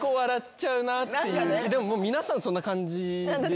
でも皆さんそんな感じでしたね。